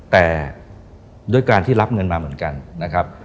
แต่ด้วยการที่รับเงินมาเหมือนกันนะครับ